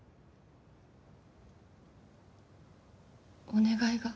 お願いが。